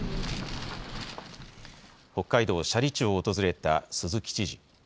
北海道斜里町を訪れた鈴木知事。